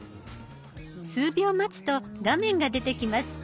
数秒待つと画面が出てきます。